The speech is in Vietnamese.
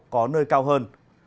có nơi cao hơn